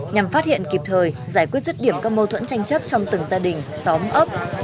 nhằm phát hiện kịp thời giải quyết rứt điểm các mâu thuẫn tranh chấp trong từng gia đình xóm ấp